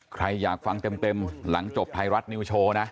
ใครอยากฟังเต็มหลังจบไทยรัฐนิวโชว์นะ